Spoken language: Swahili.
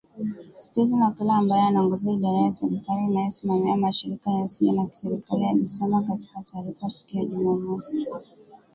Stephen Okello, ambaye anaongoza idara ya serikali inayosimamia mashirika yasiyo ya kiserikali, alisema katika taarifa siku ya Jumamosi